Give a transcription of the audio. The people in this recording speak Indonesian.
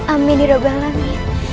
amin iroh balami